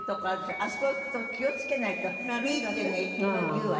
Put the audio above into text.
あそこ行くと気を付けないとビーッてねいうわよ。